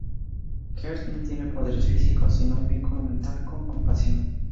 Gert no tiene poderes físicos, sino un vínculo mental con "Compasión".